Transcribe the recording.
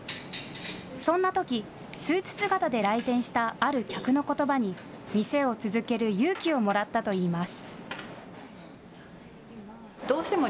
そんなとき、スーツ姿で来店したある客のことばに店を続ける勇気をもらったといいます。